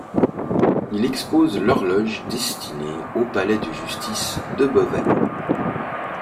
Il expose l'horloge destinée au palais de justice de Beauvais.